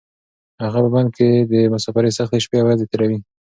هغه په بن کې د مسافرۍ سختې شپې او ورځې تېروي.